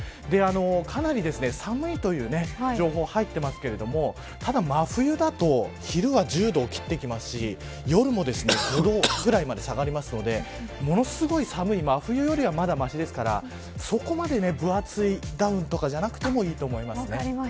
かなり寒いという情報入ってますけどただ、真冬だと昼は１０度を切ってきますし夜も５度ぐらいまで下がりますのでものすごい寒い真冬よりはまだましですからそこまで分厚いダウンじゃなくてもいいと思います。